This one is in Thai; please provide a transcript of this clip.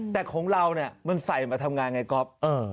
แต่ของเราเนี่ยมันใส่มาทำงานไงก๊อฟ